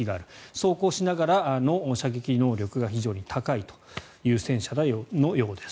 走行しながらの射撃能力が非常に高いという戦車のようです。